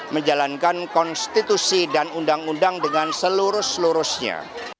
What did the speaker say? menjalankan konstitusi dan undang undang dengan seluruh seluruhnya